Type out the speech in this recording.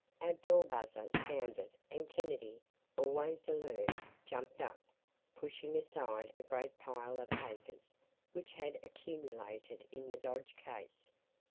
Our door buzzer sounded and Kennedy, always alert, jumped up, pushing aside a great pile of papers which had accumulated in the Dodge case.